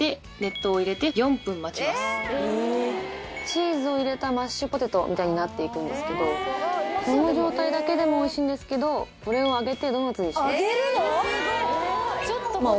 チーズを入れたマッシュポテトみたいになって行くんですけどこの状態だけでもおいしいんですけどこれを揚げてドーナツにします。